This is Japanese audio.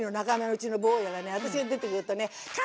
私が出てくるとね